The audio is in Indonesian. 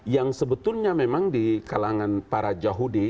yang sebetulnya memang di kalangan para yahudi